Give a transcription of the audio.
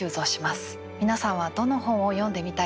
皆さんはどの本を読んでみたいと思いましたか？